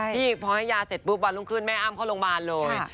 ที่พอให้ยาเสร็จปุ๊บวันรุ่งขึ้นแม่อ้ำเข้าโรงพยาบาลเลย